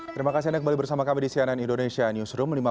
terima kasih anda kembali bersama kami di cnn indonesia newsroom